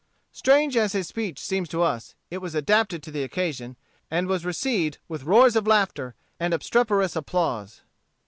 Strange as his speech seems to us, it was adapted to the occasion, and was received with roars of laughter and obstreperous applause.